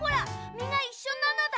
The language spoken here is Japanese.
みがいっしょなのだ。